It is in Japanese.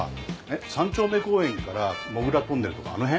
三丁目公園からもぐらトンネルとかあの辺？